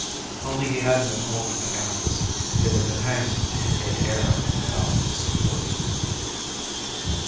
Only he hadn't been holding the axe; it had been hanging in mid air without support.